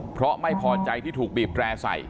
เพราะไม่พอใจที่ถูกบีบแร่ใส่